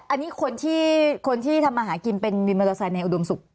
อันนี้คนที่ทำอาหารกิมเป็นวินมันตระส่ายในอุดมสุข